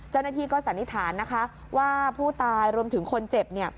เจ้าหน้าที่ก็สานิษฐานว่าผู้ตายรวมถึงคนเจ็บ